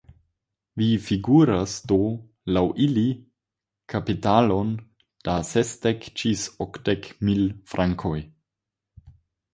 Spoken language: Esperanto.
Vi figuras do, laŭ ili, kapitalon da sesdek ĝis okdek mil frankoj.